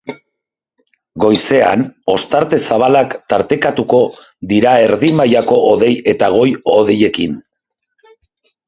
Goizean ostarte zabalak tartekatuko dira erdi mailako hodei eta goi-hodeiekin.